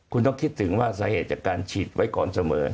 คุณต้องคิดถึงว่าสาเหตุจากการฉีดไว้ก่อนเสมอ